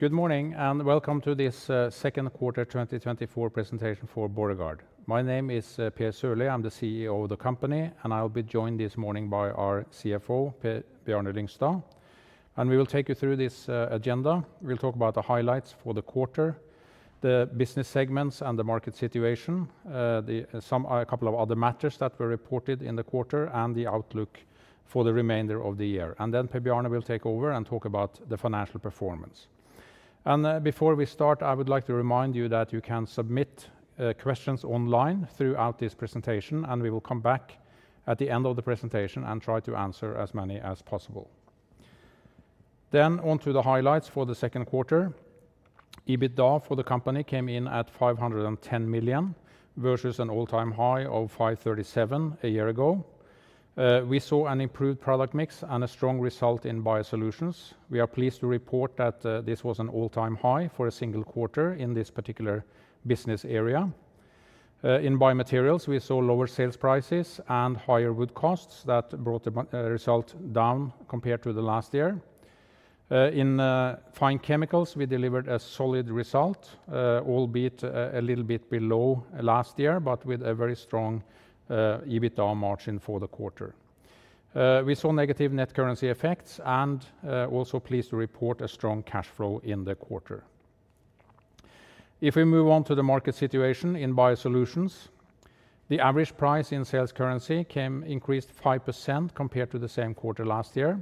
Good morning, and welcome to this Second Quarter 2024 Presentation for Borregaard. My name is Per Sørlie, I'm the CEO of the company, and I'll be joined this morning by our CFO, Per Bjarne Lyngstad, and we will take you through this agenda. We'll talk about the highlights for the quarter, the business segments, and the market situation, a couple of other matters that were reported in the quarter, and the outlook for the remainder of the year. Then Per Bjarne will take over and talk about the financial performance. Before we start, I would like to remind you that you can submit questions online throughout this presentation, and we will come back at the end of the presentation and try to answer as many as possible. Then on to the highlights for the second quarter. EBITDA for the company came in at 510 million, versus an all-time high of 537 million a year ago. We saw an improved product mix and a strong result in BioSolutions. We are pleased to report that this was an all-time high for a single quarter in this particular business area. In BioMaterials, we saw lower sales prices and higher wood costs that brought the result down compared to the last year. In Fine Chemicals, we delivered a solid result, albeit a little bit below last year, but with a very strong EBITDA margin for the quarter. We saw negative net currency effects and also pleased to report a strong cash flow in the quarter. If we move on to the market situation in BioSolutions, the average price in sales currency came increased 5% compared to the same quarter last year,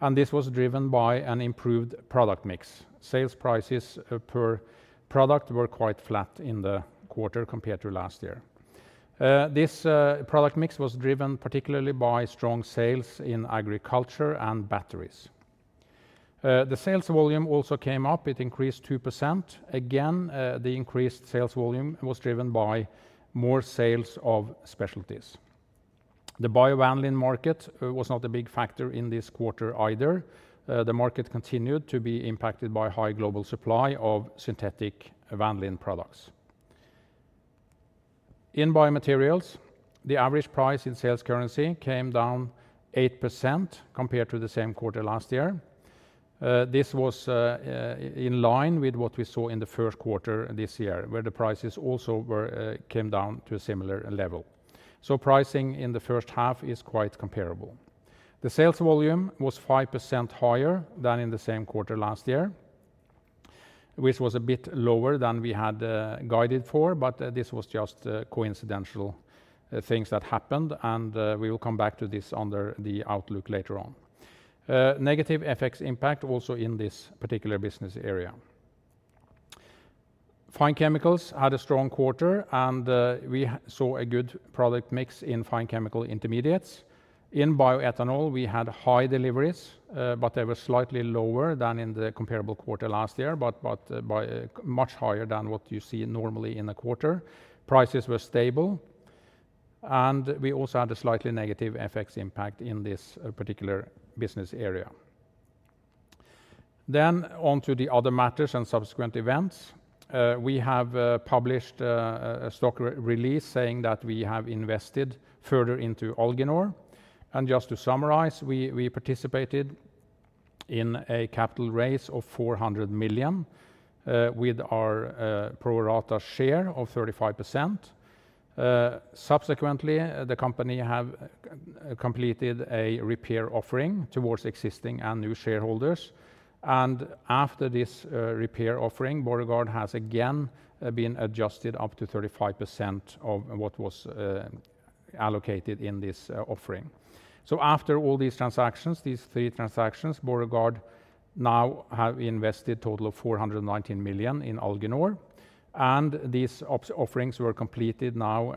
and this was driven by an improved product mix. Sales prices per product were quite flat in the quarter compared to last year. This product mix was driven particularly by strong sales in agriculture and batteries. The sales volume also came up, it increased 2%. Again, the increased sales volume was driven by more sales of specialties. The bio vanillin market was not a big factor in this quarter either. The market continued to be impacted by high global supply of synthetic vanillin products. In BioMaterials, the average price in sales currency came down 8% compared to the same quarter last year. This was in line with what we saw in the first quarter this year, where the prices also came down to a similar level. So pricing in the first half is quite comparable. The sales volume was 5% higher than in the same quarter last year, which was a bit lower than we had guided for, but this was just coincidental things that happened, and we will come back to this under the outlook later on. Negative FX impact also in this particular business area. Fine Chemicals had a strong quarter, and we saw a good product mix in fine chemical intermediates. In bioethanol, we had high deliveries, but they were slightly lower than in the comparable quarter last year, but much higher than what you see normally in a quarter. Prices were stable, and we also had a slightly negative FX impact in this particular business area. Then on to the other matters and subsequent events. We have published a stock exchange release saying that we have invested further into Alginor. And just to summarize, we participated in a capital raise of 400 million with our pro rata share of 35%. Subsequently, the company has completed a repair offering towards existing and new shareholders, and after this repair offering, Borregaard has again been adjusted up to 35% of what was allocated in this offering. So after all these transactions, these three transactions, Borregaard now has invested a total of 419 million in Alginor, and these offerings were completed now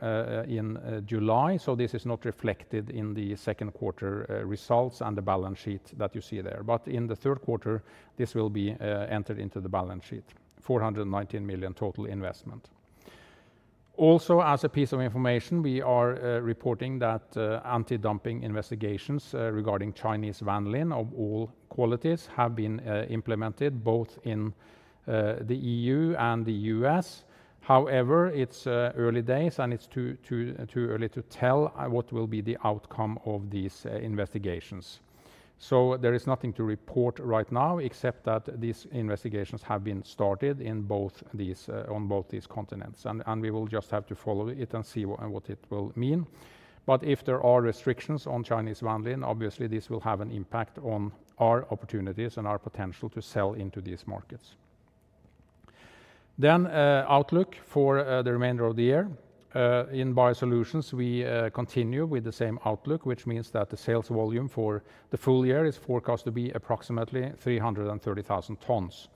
in July. So this is not reflected in the second quarter results and the balance sheet that you see there. But in the third quarter, this will be entered into the balance sheet, 419 million total investment. Also, as a piece of information, we are reporting that anti-dumping investigations regarding Chinese vanillin of all qualities have been implemented both in the E.U. and the U.S. However, it's early days, and it's too, too, too early to tell what will be the outcome of these investigations. So there is nothing to report right now, except that these investigations have been started in both these, on both these continents, and, and we will just have to follow it and see what, what it will mean. But if there are restrictions on Chinese vanillin, obviously this will have an impact on our opportunities and our potential to sell into these markets. Then, outlook for the remainder of the year. In BioSolutions, we continue with the same outlook, which means that the sales volume for the full year is forecast to be approximately 330,000 tons.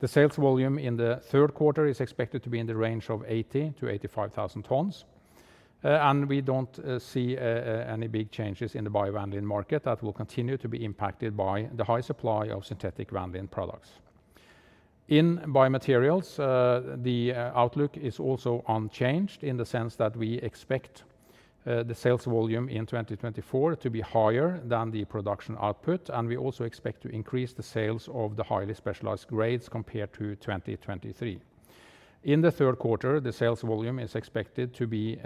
The sales volume in the third quarter is expected to be in the range of 80,000-85,000 tons. And we don't see any big changes in the Bio vanillin market that will continue to be impacted by the high supply of synthetic vanillin products. In BioMaterials, the outlook is also unchanged in the sense that we expect the sales volume in 2024 to be higher than the production output, and we also expect to increase the sales of the highly specialized grades compared to 2023. In the third quarter, the sales volume is expected to be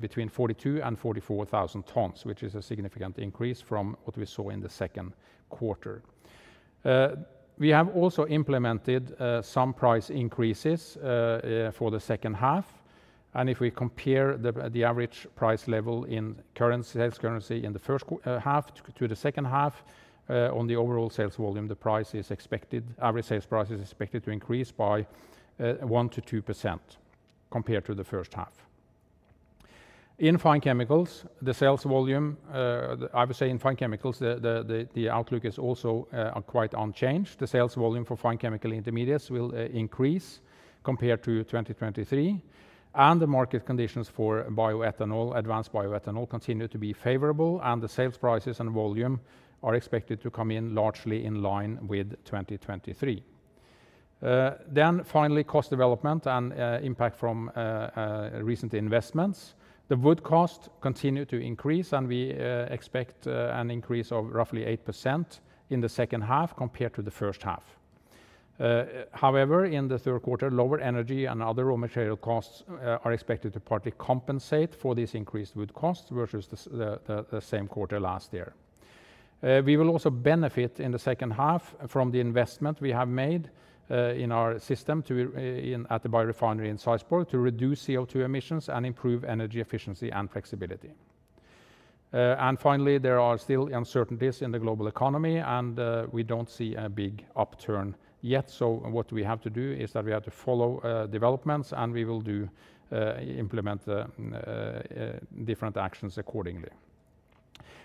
between 42,000 and 44,000 tons, which is a significant increase from what we saw in the second quarter. We have also implemented some price increases for the second half, and if we compare the average price level in current sales currency in the first half to the second half, on the overall sales volume, the average sales price is expected to increase by 1%-2% compared to the first half. In Fine Chemicals, the sales volume, I would say in Fine Chemicals, the outlook is also quite unchanged. The sales volume for fine chemical intermediates will increase compared to 2023, and the market conditions for bioethanol, advanced bioethanol, continue to be favorable, and the sales prices and volume are expected to come in largely in line with 2023. Then finally, cost development and impact from recent investments. The wood cost continue to increase, and we expect an increase of roughly 8% in the second half compared to the first half. However, in the third quarter, lower energy and other raw material costs are expected to partly compensate for this increased wood cost versus the same quarter last year. We will also benefit in the second half from the investment we have made in our system at the biorefinery in Sarpsborg to reduce CO2 emissions and improve energy efficiency and flexibility. And finally, there are still uncertainties in the global economy, and we don't see a big upturn yet. So what we have to do is that we have to follow developments, and we will do implement the different actions accordingly.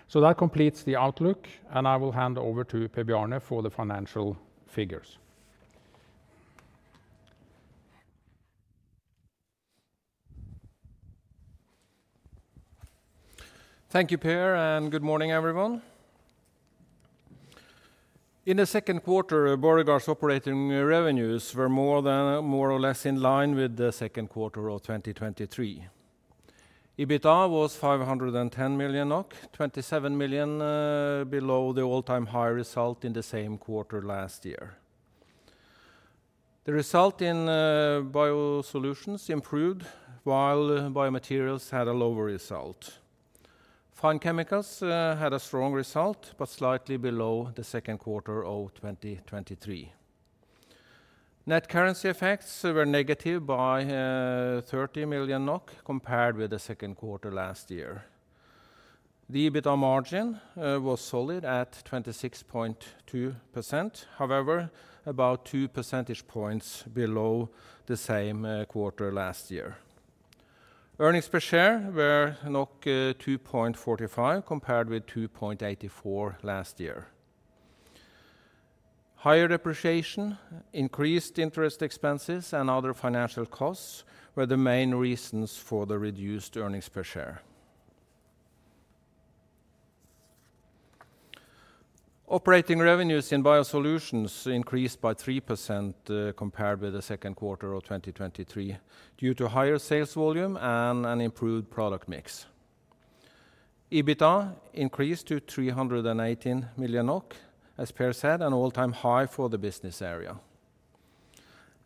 So that completes the outlook, and I will hand over to Per Bjarne for the financial figures. Thank you, Per, and good morning, everyone. In the second quarter, Borregaard's operating revenues were more or less in line with the second quarter of 2023. EBITDA was 510 million NOK, 27 million below the all-time high result in the same quarter last year. The result in BioSolutions improved, while BioMaterials had a lower result. Fine Chemicals had a strong result, but slightly below the second quarter of 2023. Net currency effects were negative by 30 million NOK, compared with the second quarter last year. The EBITDA margin was solid at 26.2%, however, about two percentage points below the same quarter last year. Earnings per share were 2.45, compared with 2.84 last year. Higher depreciation, increased interest expenses, and other financial costs were the main reasons for the reduced earnings per share. Operating revenues in BioSolutions increased by 3%, compared with the second quarter of 2023, due to higher sales volume and an improved product mix. EBITDA increased to 318 million NOK, as Per said, an all-time high for the business area.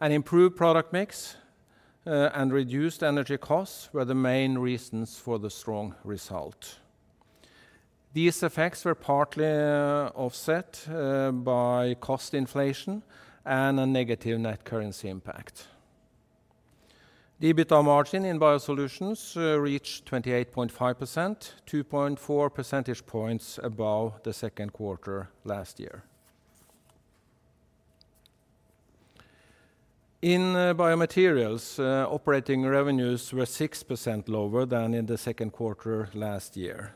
An improved product mix and reduced energy costs were the main reasons for the strong result. These effects were partly offset by cost inflation and a negative net currency impact. The EBITDA margin in BioSolutions reached 28.5%, 2.4 percentage points above the second quarter last year. In BioMaterials, operating revenues were 6% lower than in the second quarter last year.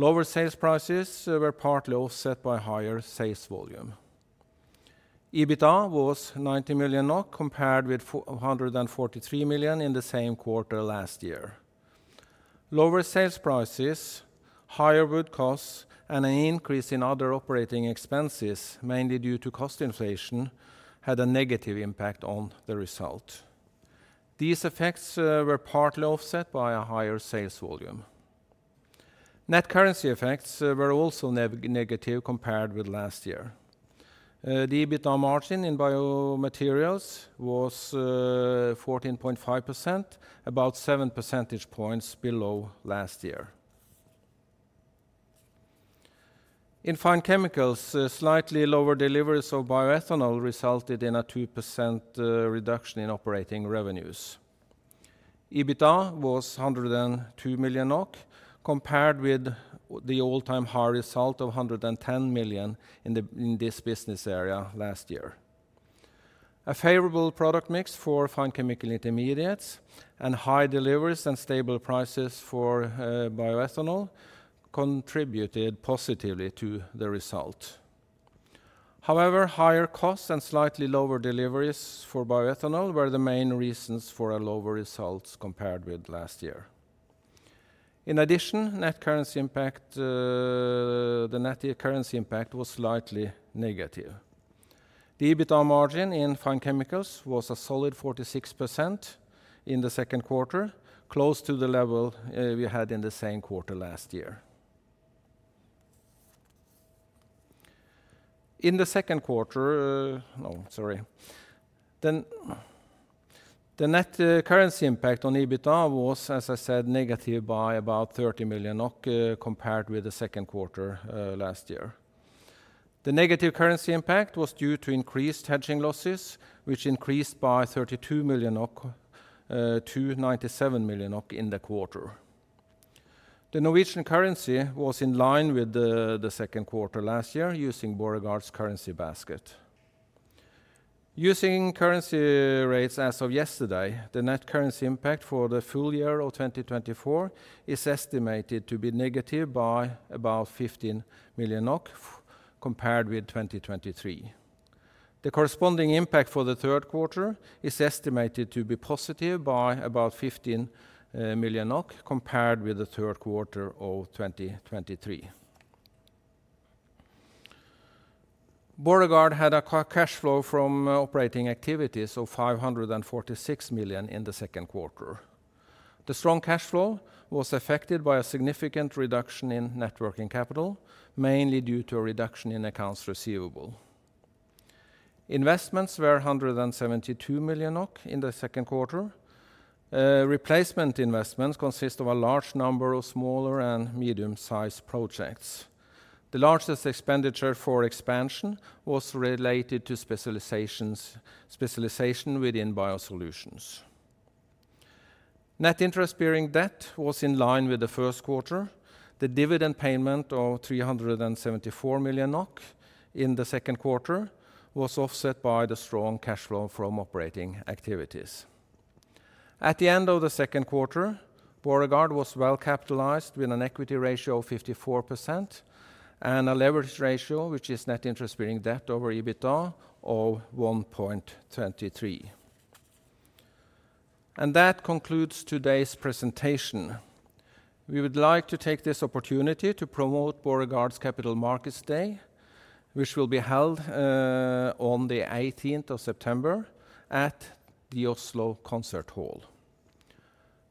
Lower sales prices were partly offset by higher sales volume. EBITDA was 90 million NOK, compared with 143 million in the same quarter last year. Lower sales prices, higher wood costs, and an increase in other operating expenses, mainly due to cost inflation, had a negative impact on the result. These effects were partly offset by a higher sales volume. Net currency effects were also negative compared with last year. The EBITDA margin in BioMaterials was 14.5%, about seven percentage points below last year. In Fine Chemicals, slightly lower deliveries of bioethanol resulted in a 2% reduction in operating revenues. EBITDA was 102 million NOK, compared with the all-time high result of 110 million in this business area last year. A favorable product mix for fine chemical intermediates and high deliveries and stable prices for bioethanol contributed positively to the result. However, higher costs and slightly lower deliveries for bioethanol were the main reasons for a lower results compared with last year. In addition, net currency impact, the net currency impact was slightly negative. The EBITDA margin in Fine Chemicals was a solid 46% in the second quarter, close to the level we had in the same quarter last year. In the second quarter, No, sorry. The net currency impact on EBITDA was, as I said, negative by about 30 million NOK, compared with the second quarter last year. The negative currency impact was due to increased hedging losses, which increased by 32 million NOK to 97 million NOK in the quarter. The Norwegian currency was in line with the second quarter last year, using Borregaard's currency basket. Using currency rates as of yesterday, the net currency impact for the full year of 2024 is estimated to be negative by about 15 million NOK compared with 2023. The corresponding impact for the third quarter is estimated to be positive by about 15 million NOK compared with the third quarter of 2023. Borregaard had a cash flow from operating activities of 546 million NOK in the second quarter. The strong cash flow was affected by a significant reduction in net working capital, mainly due to a reduction in accounts receivable. Investments were 172 million NOK in the second quarter. Replacement investments consist of a large number of smaller and medium-sized projects. The largest expenditure for expansion was related to specialization within BioSolutions. Net interest-bearing debt was in line with the first quarter. The dividend payment of 374 million NOK in the second quarter was offset by the strong cash flow from operating activities. At the end of the second quarter, Borregaard was well-capitalized, with an equity ratio of 54% and a leverage ratio, which is net interest-bearing debt over EBITDA, of 1.23. That concludes today's presentation. We would like to take this opportunity to promote Borregaard's Capital Markets Day, which will be held on the 18th of September at the Oslo Concert Hall.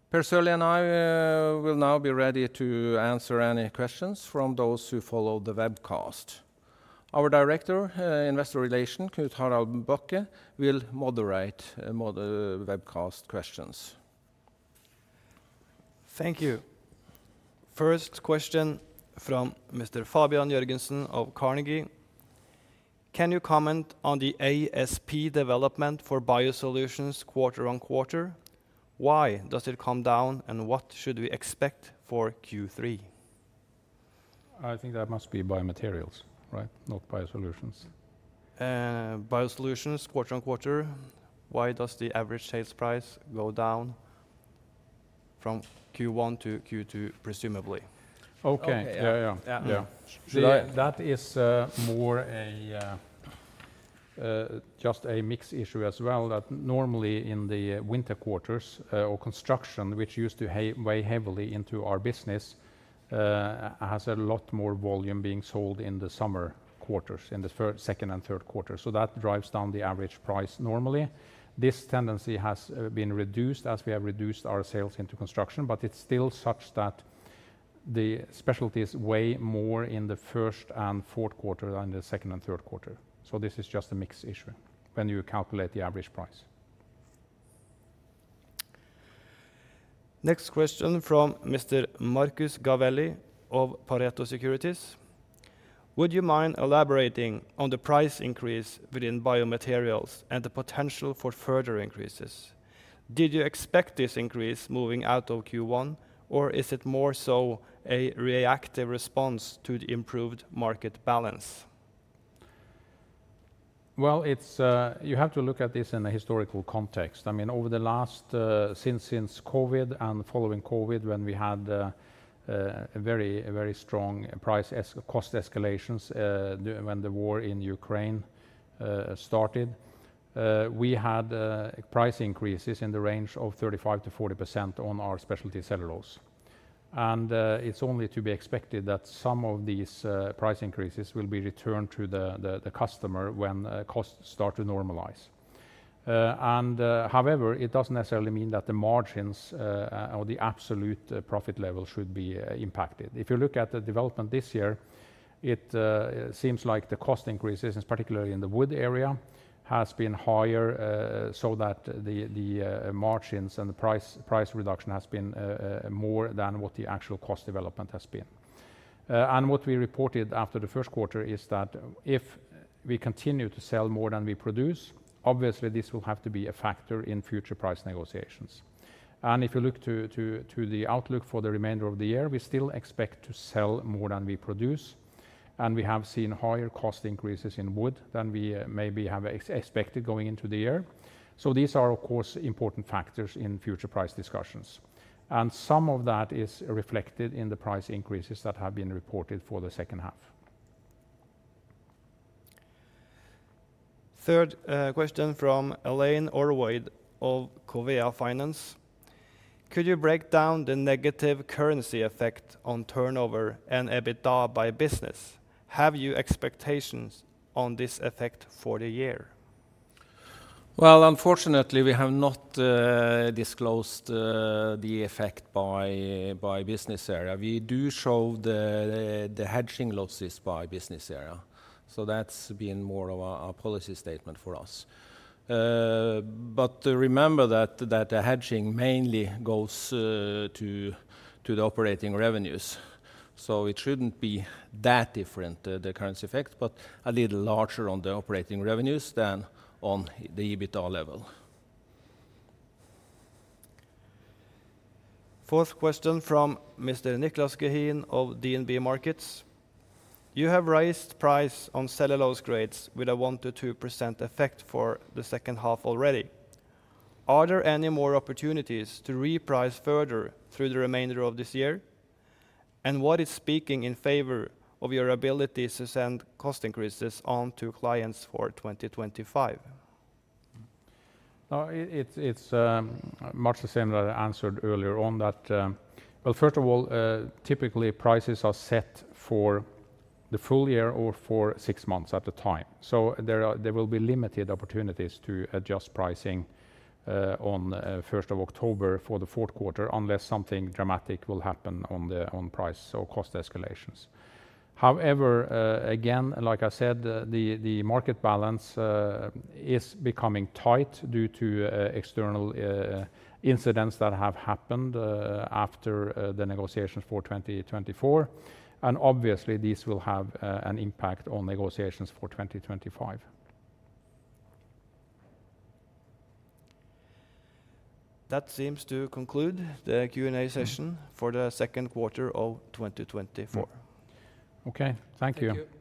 Per Sørlie and I will now be ready to answer any questions from those who follow the webcast. Our Director of Investor Relations, Knut-Harald Bakke, will moderate the webcast questions. Thank you. First question from Mr. Fabian Jørgensen of Carnegie. Can you comment on the ASP development for BioSolutions quarter-over-quarter? Why does it come down, and what should we expect for Q3? I think that must be BioMaterials, right? Not BioSolutions. BioSolutions, quarter-on-quarter, why does the average sales price go down from Q1 to Q2, presumably? Okay. Okay. Yeah, yeah. Yeah. That is, more a just a mix issue as well, that normally in the winter quarters, or construction, which used to weigh heavily into our business, has a lot more volume being sold in the summer quarters, in the second and third quarter, so that drives down the average price normally. This tendency has been reduced as we have reduced our sales into construction, but it's still such that the specialties weigh more in the first and fourth quarter than the second and third quarter. So this is just a mix issue when you calculate the average price. Next question from Mr. Marcus Gavelli of Pareto Securities. Would you mind elaborating on the price increase within BioMaterials and the potential for further increases? Did you expect this increase moving out of Q1, or is it more so a reactive response to the improved market balance? Well, it's. You have to look at this in a historical context. I mean, over the last, since, since COVID, and following COVID, when we had, a very, a very strong cost escalations, during when the war in Ukraine started, we had, price increases in the range of 35%-40% on our specialty cellulose. And, it's only to be expected that some of these, price increases will be returned to the, the, the customer when, costs start to normalize. And, however, it doesn't necessarily mean that the margins, or the absolute profit level should be, impacted. If you look at the development this year, it seems like the cost increases, particularly in the wood area, has been higher, so that the margins and the price reduction has been more than what the actual cost development has been. What we reported after the first quarter is that if we continue to sell more than we produce, obviously this will have to be a factor in future price negotiations. If you look to the outlook for the remainder of the year, we still expect to sell more than we produce, and we have seen higher cost increases in wood than we maybe have expected going into the year. So these are, of course, important factors in future price discussions, and some of that is reflected in the price increases that have been reported for the second half. Third question from Elaine Orwood of Covéa Finance: Could you break down the negative currency effect on turnover and EBITDA by business? Have you expectations on this effect for the year? Well, unfortunately, we have not disclosed the effect by business area. We do show the hedging losses by business area, so that's been more of a policy statement for us. But remember that the hedging mainly goes to the Operating revenues, so it shouldn't be that different, the currency effect, but a little larger on the Operating revenues than on the EBITDA level. Fourth question from Mr. Niclas Gehin of DNB Markets: You have raised price on cellulose grades with a 1%-2% effect for the second half already. Are there any more opportunities to reprice further through the remainder of this year? And what is speaking in favor of your ability to send cost increases on to clients for 2025? It's much the same that I answered earlier on that. Well, first of all, typically prices are set for the full year or for six months at a time, so there are, there will be limited opportunities to adjust pricing on first of October for the fourth quarter, unless something dramatic will happen on the price or cost escalations. However, again, like I said, the market balance is becoming tight due to external incidents that have happened after the negotiations for 2024, and obviously these will have an impact on negotiations for 2025. That seems to conclude the Q&A session for the second quarter of 2024. Okay. Thank you. Thank you.